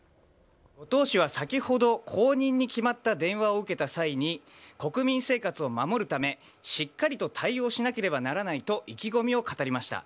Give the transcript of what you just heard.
後藤氏は先ほど後任に決まった電話を受けた際に、国民生活を守るため、しっかりと対応しなければならないと意気込みを語りました。